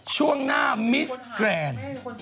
ช่วงหน้ามิสแกรนด์